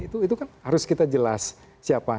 itu kan harus kita jelas siapa